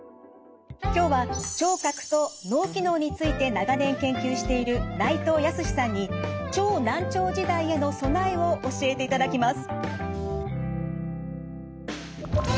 今日は聴覚と脳機能について長年研究している内藤泰さんに超難聴時代への備えを教えていただきます。